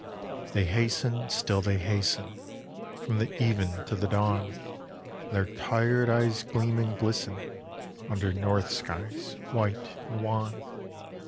They hasten, still they hasten, From the even to the dawn; And their tired eyes gleam and glisten Under north skies white and wan.